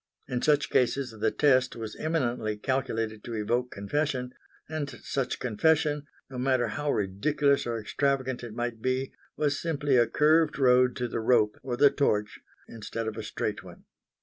In such cases the test was eminently calculated to evoke confession, and such confession, no matter how ridiculous or extravagant it might be, was simply a curved road to the rope or the torch instead of a straight one.